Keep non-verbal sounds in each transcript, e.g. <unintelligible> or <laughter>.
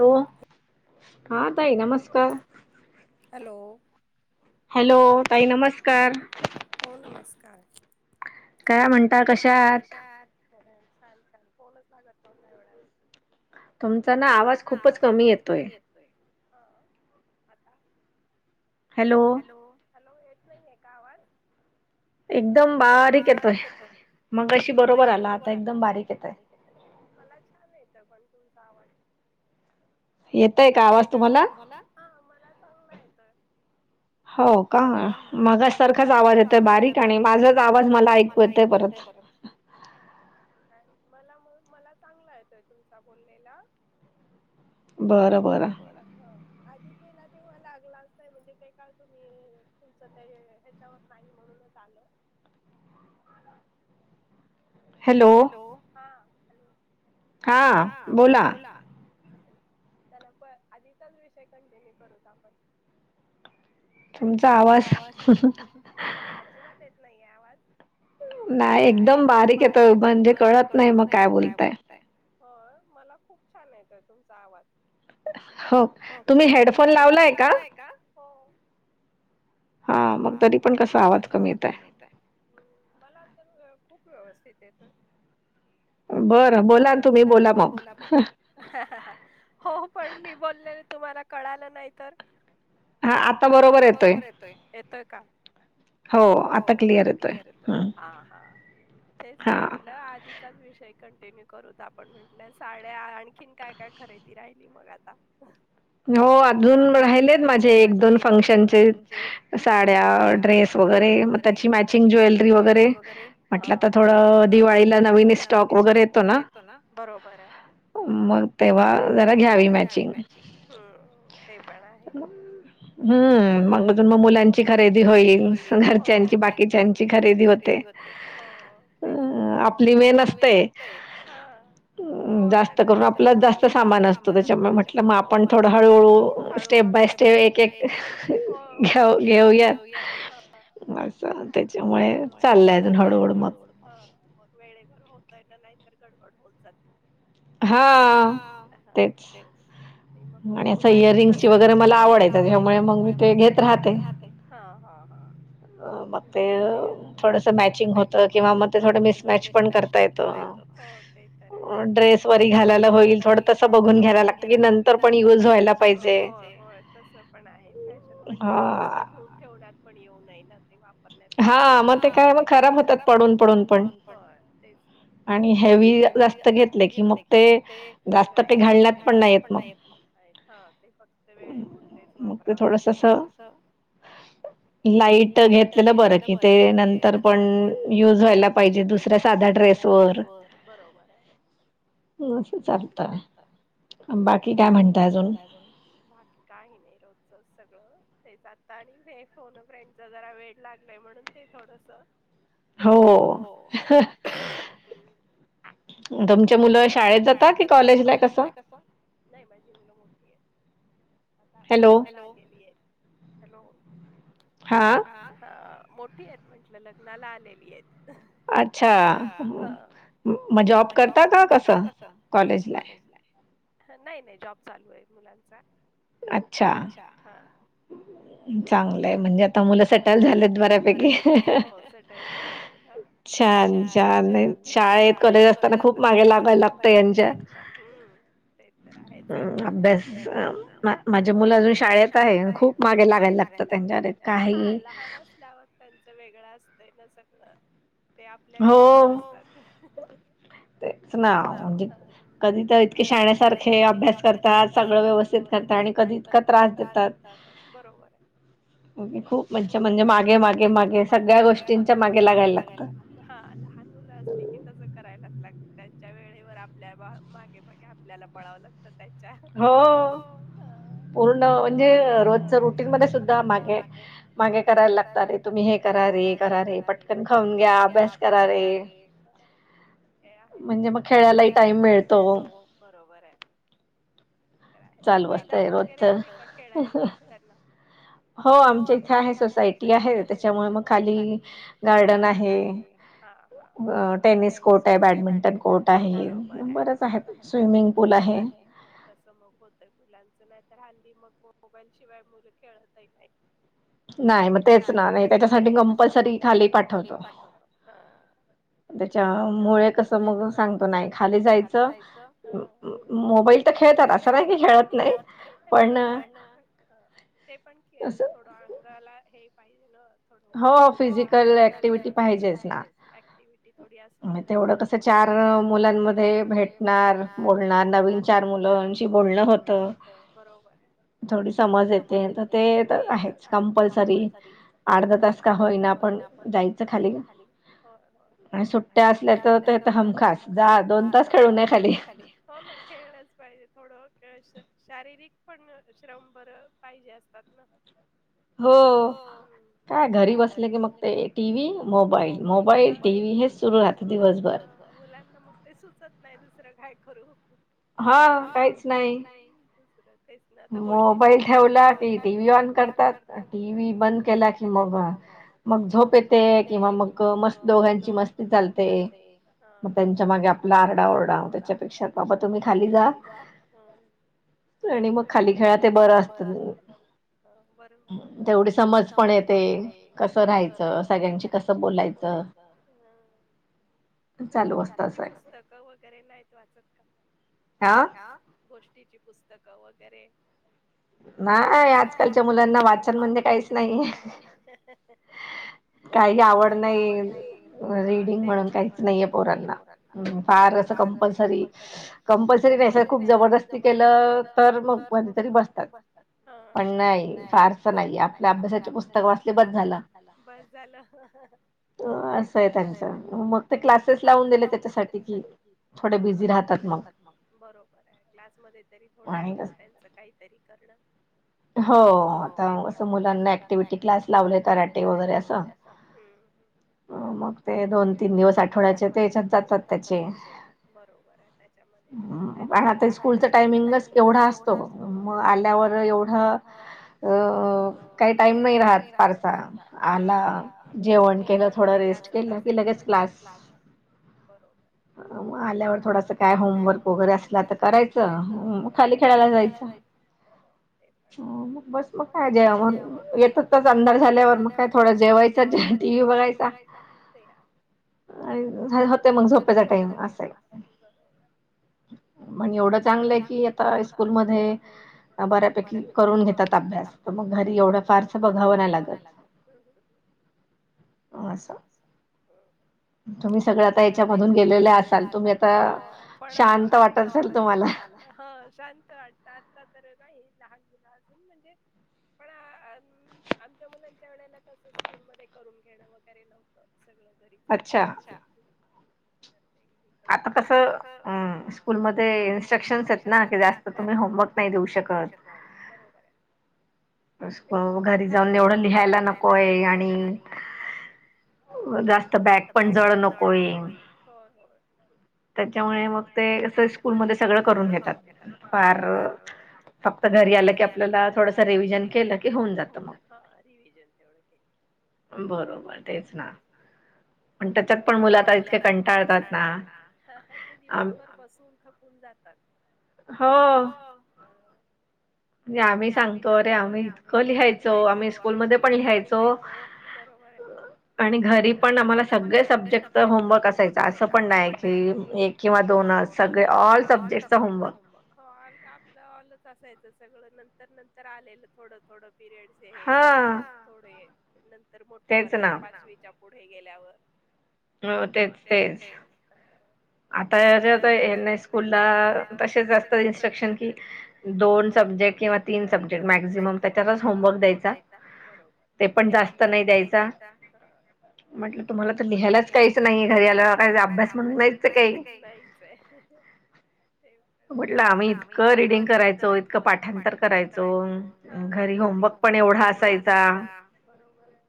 Hello हा ताई नमस्कार. हॅलो. हो नमस्कार. काय म्हणता कशा छान छान बोलच लागत नव्हता एवढ्या वेळ. तुमचा ना आवाज खूपच कमी येतोय आता. हॅलो. हॅलो यच नाहीे का आवाज. एकदम बारीक येतो मग अशी बरोबर आला आता एकदम बारीक येत. मला छान येतं पण तुमचा आवाज. येतय का आवाज तुम्हाला हा मला चांगला येत. हो का मग सारखाच आवाज येतय बारीक आणि माझाच आवाज मला ऐकू येतय परत. <inaudible> हो का काय मला मला चांगला येतोय तुमचा बोललेला बर <unintelligible> बर आधी केला ते म लागला असय म्हणजे का का तुम्ही तुमचं त्या ह्याच्यावर नाही म्हणूनच आलं. हॅलो हा बोला. चला प आधीचाच विषय कंटिन्यू करूत आपण. मग माझा आवाज अजिबात येत नाहीे आवाज. <inaudible> नाही एकदम बारीक येतोय म्हणजे कळत नाही मग काय बोलताय. हो मला खूप छान येतोय तुमचा आवाज. हो तुम्ही हेडफोन लावलाय का. हा मग तरी पण कसा आवाज कमी येत आहे, मला तर खूप व्यवस्थित येतोय. बर, बोला तुम्ही बोला मग. हो पण मी बोललेले तुम्हाला कळालं नाही तर? हा आता बरोबर येतोय, येतोय का? हो आता क्लिअर येतोय हा, ह तेच मी म्हंटलं आ. चाच, विषय कंटिन्यू करूत, आपण म्हंटलं साड्या आणखीन काय-काय खरेदी राहिली मग आता. हा. हो अजून राहिलेत माझे एक-दोन फंक्शन चे साड्या ्रेस वगैरे, मग त्याची मॅचिंग ज्वेलरी वगैरे, म्हटलं तर थोड दिवाळीला नवीन स्टॉक वगैरे येतो ना, बरोबर आहे, मग तेव्हा जरा घ्यावी मॅचिंग. हम्म, ते पण आहे. हम्म, मागून मग मुलांची खरेदी होईल. घरच्यांची, बाकीच्याची खरेदी होते, आपली मेहनत हा हो घरातला! आपल जास्त सामान असतय, तेच्यामुळे म्हटलं. मग आपण थोडं हळूहळू-हळूळ स्टेप बाय, स्टेप एक-एक हो होऊ घेऊयात. <inaudible> वेळेवरर होतय ना, नाही तर गडबड होऊन जाते. हा हा तेच. नाही मग म पाहिजे रे मला आवडतय त्यामुळे मग मी तेे मीच राहते. हा, हा, हा. पण हे थोडस मॅचिंग होत किंवा मग ते थोडं मिसमॅच पण करता येत. ते तर आहेच. ड्रेस वे घालायला होईल थोडं तसं बघून घ्यायला लागतं, की नंतर पण युज व्हायला पाहिजे. होय तसं पण आहे, फॅशन म्हटलं की नुसतं घेऊन ठेवण्यात पण येऊ नय ना ते वाप वापरण्यात पण आलं पाहिजे. ह मग ते काय मग खराब होतात पडून पडून पण. होय तेच ना. आणि हेवी जास्त घेतले की मग ते, जास्त काही घालण्यात पण नाहीेत मग. आहेत. हा ते फक्त वेळेपुरतेच वापरावं लागत, थोडस असं हा लाईट घेत घेतलंल बर की ते, नंतर पण युज व्हायला पाहिजे दुसऱ्या साध्या ड्रेस वर. बरोबराय. <unintelligible> बाकी काय म्हणतात? बाकी काही नाही, रोजचच सगळं. तेच आता आणि हे फोन फ्रेंडच जरा वेड लागलाय म्हणून ते थोडस हो. तुमच्या मुलं शाळेत जाता कि कॉलेजला कस? नाही माझी मुलं मोठीयत. आता लग्नाला आलेली आहेत. हॅलो हॅलो हा? हा मोठी आहेत म्हंटलं लग्नाला आलेली आहेत. अच्छा? हा. मग जॉब करता का कस, कॉलेजला? ह नाही नाही जॉब चालू आहे मुलांचा. अच्छा, हा. चालुय, चांगलंय म्हणजे आता मुलं सेटल झालेत बऱ्यापैकी. हो हो सेटल झालेत मुलं. छान छान शाळेत कॉलेज असताना खूप मागे लागाय लागतय यांच्या. ते तर आहेच आहे. अभ्यास, माझे मुलं अजून शाळेत आहे खूप मागे लागायला लागतं त्यांच्या त्यांच्या, ह लहान असल्यावर त्यांचं वेगळं असतंय ना सगळं. ते आपल्या विश्वात असतात. ना कधी तर इतके शाण्यासारखे अभ्यास करतात, सगळं व्यवस्थित करतात आणि कधी इतका त्रास देतात. बरोबर हाय. खूप म्हणजे म्हणजे मागे मागे मागे सगळ्या गोष्टींच्या मागे लागायला लागत. हा, लहान मुलं असली की तसं करायलाच लाग त्यांच्या वेळेवर आपल्या मागे मागे आपल्याला पळावं लागतं. त्यांच्या हो पूर्ण म्हणजे सुे करायला लागत तुम्ही हे करा करा पट खऊ घ्या अभ्यास करा रे, हा हा ते आहे. म्हणजे मग खेळायलाही टाइम मिळतो. हो बरोबर आहे, ते तर आहे. मग मैदान वगैरे आहे का खेळायला? कर ना. हो आमच्या इथे आहे सोसायटी आहे त्याच्यामुळे मग खाली गार्डन आहे. हा हा टेनिस कोर्ट आहे बॅडमिंटन कोर्ट आहे बरोबर आहे. लत मुलाच नाही हल्ली मो शिवाय मुलं खेळतही नाही नाही मग तेच ना नाही त्याच्यासाठी कंपल्सरी खाली पाठवतो. त्याच्या मुळे कस मग सांगतो नाही खाली जायचं. मोबाईल तर खेळतार स बरोबर ते पण थोडं अंगाला हे पाहिजे ना. हो फिजिकल पाहिजेच. तेवढं कस चार मुलांमध्ये, भेटणार बोलणार नवीन चार मुलाशी बोलणं बरोबर आहे थोडी समज येते तर ते आहे कंपल्सरी अर्ध तास का होईना आपण जायचं खाली. आणि सुट्ट्या असल्याच तर हमखास जा दोन तास खेळू नये खा हो ना खेळलाच पाहिजे थोड शारीरिक पण श्रम बर पाहिजे असतात ना. काय घरी बसले की मग ते टीव् मोबाईल मोबाईल, टीवही हे सुर दिवसभर मुलांना मग ते सुचत नाही दुसरं काय करू? हा काहीच नाही दुसरं तेच ना आता गोष्ट मोबाईल ठेवला टी व्ही ऑन करतात टी व्ही बंद केला की मगा मग झोप येते किंवा मग मस् दोघांची मस्ती चालते. त्यांच्या मागे आपला आरडा ओरडा त्याच्यापेक्षा बाबा तुम्ही खाली जा प्र म <inaudible> आणि मग खाली खेळा ते बरं असतं. बरोबर तेवढी समज पण येते कसं राहायचं सगळ्यांची कस बोलायचं. हा तु गोष्टीची पुस्तकं वगैरे नाहीत वाचत का? हां ह गोष्टीची पुस्तकं वगैरे नाही आजकालच्या मुलांना वाचन म्हणजे काहीच नाही काही आवड नाही ते पण म्हणून काहीच नाहीे पोरांना कारार अस कंपल्सरी कंपल्सरी त्याश खूप जबरदस्ती केलं तर म म्हण तरी <unintelligible> पण नाही फारस नाही आपल्या अभ्यासाचे पुस्तक वाचले बद झाला बस झालं. ते असं आहे त्यांच म फक् ते क्लासेस लावून दिले त्याच्यासाठी कि. हा बिझी राहतात म बरोबर आहे क्लासमध्ये तरी थोडं होत. तरी करण, हो ते पणना ऍक्टिव्हटी क्लास लावले कराटे वगैरे असं. मग ते दोन, तीन दिवस आठवड्याचे तेच्यात जातात त्याचे बरोबर ताई. स्कूलच टायमिंगच एवढं असतो. आल्यावर एवढ. एवढा अ काही टाईम नाही राहत फारसा आलाे त असेल ना लगेच क्लास बरोबर. आल्यावर थोडस काय, होमवर्क वगैरे असला तर करायचं. खाली खेळायला जायचं. हो, मग बस बस मग काय <unintelligible> येताचच अंधार झाल्यावर. मग काय थोडं जेवायच. टी व्ही बघायचा. ते आहे. आणि होतय मग झोप्याचा टाइम असाय. बरोबरय. पण एवढं चांगलंय की, आता स्कूलमध्ये बऱ्यापैकी करून घेतात अभ्यास त घरी एवढं फारस बघावं नाही लागत. हो हो तुम्ही सगळ आता याच्यामधून गेलेले असाल तुम्ही पण शांत वाटल तुम्हाला. ह शांत वाटत आता तर का हे लहान मुलं अजून म्हणजे. पण आमच्या मुलांच्या वला कसं स्कूलमध्ये करून घेणं वगैरे? ते नव्हत. सगळ घरीच होत. अच्छा. <unintelligible> आता कसं, हं. स्कूलमधे सेक्शन्सयत ना. जास्त <unintelligible> होमवर्क नाही देऊ शकत. बरोबर आहे. ते खूपच झालं. <unintelligible> एवढंही घ्यायला नकोय आणि नास्त बॅग पण जळ नकोय. होय, होय. त्याच्यामुळे, मग ते स्कूलमध्ये सगळं करून घेतात. फार फक्त घरी आलं की, आपल्याला थोडस रिव्हिजन केलं की होऊन जात. ह, रिव्हिजन तेवढं केल बरोबरय. <unintelligible> त्याच्यात पण मुलं, आता इतके कंटाळतात ना. ते दिवसभर बसून, थकून जातात. हो. <unintelligible> म्हणजे आम्ही सांगतो. अरे, आम्ही इतकं लिहायचो. आम्ही स्कूलमध्ये पण लिहायचो. बरोबरय. आणि घरी पण आम्हाला सगळे सब्जेक्ट चा होमवर्क असायचं. असं पण नाही की एक किंवा दोनच. सगळे, ऑल सब्जेक्टचा होमवर्क. ऑल, आपलं ऑलच असायचं सगळं. नंतर- नंतर आलेलं थोडं- थोडं पिरियड? हे, हा. थोडे, नंतर मोठ्या वर्गात पाचवी च्या पुढे गेल्यावर. हो तेच, तेच. आता <unintelligible> न स्कूलला तसेच असतात इनस्ट्रक्शन कि, दोन सब सब्जेक् किंवा तीन सब्जेक्ट मॅक्झिमम. त्याच्याच होमवर्क द्यायचा. बरोबर. ते पण जास्त नाही द्यायचा. हा. म्हटलं, तुम्हाला तर लिहायलाच काहीच नाही. <unintelligible> काय अभ्यास म्हण <unintelligible> काही नाहीचय. ते <unintelligible> म्हटलं, आम्ही इतकं रिडिंग करायचो इतक पाठांतर करायचो. घरी होमवर्क पण एवढा असायचा. बरोबर आहे.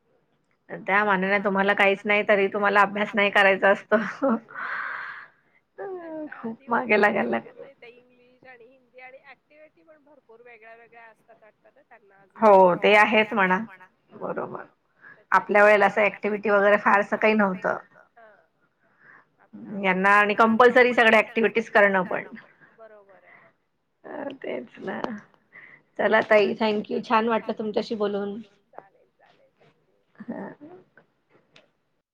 त्या मानानं तुम्हाला काहीच नाही. तरी तुम्हाला अभ्यास नाही करायचा असतो. <unintelligible> कंटाळा दिवसभर <unintelligible> <unintelligible> इंग्लिश आणि हिंदी आणि ऍक्टिव्हटी पण भरपूर वेगळ्या - वेगळ्या असतात. त्यांना अजून <unintelligible> काही हो ते आहेच म्हणा. हो बरोबर. तर त्याच्यामुळे <unintelligible> आपल्या <unintelligible> क्टिव्हटी वगैरे फारसं काही नव्हतं. ह. आपला अभ्यास <unintelligible> यांना आणि कंपल्सरी, सगळ्या ऍक्टिव्हिटीज करणं पण. बरोबरय. <unintelligible> <unintelligible> चला ताई, थँक्य थँक्यू, छान वाटत तुमच्याशी बोलून. चालेल, चालेल. थँक्यू.